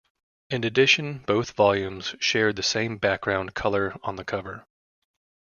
In addition, both volumes share the same background color on the cover.